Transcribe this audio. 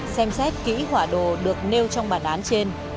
xem xét kỹ hỏa đồ được nêu trong bản án trên